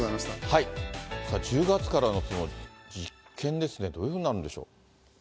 １０月からの実験ですね、どういうふうになるんでしょう。